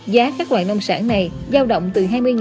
giá các loại nông sản này giao động từ hai mươi đồng